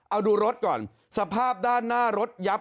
เอาดูรถก่อนสภาพด้านหน้ารถยับ